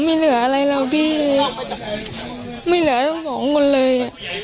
ไม่เหลืออะไรหรอกพี่ไม่เหลือทั้งสองคนเลย